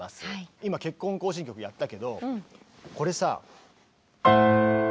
今「結婚行進曲」やったけどこれさ。